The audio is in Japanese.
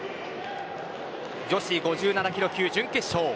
女子５７ｋｇ級準決勝。